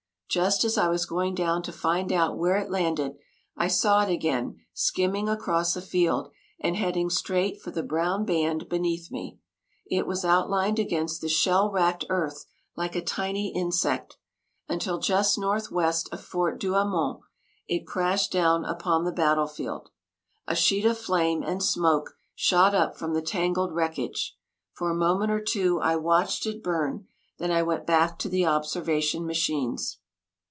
Just as I was going down to find out where it landed, I saw it again skimming across a field, and heading straight for the brown band beneath me. It was outlined against the shell racked earth like a tiny insect, until just northwest of Fort Douaumont it crashed down upon the battlefield. A sheet of flame and smoke shot up from the tangled wreckage. For a moment or two I watched it burn; then I went back to the observation machines.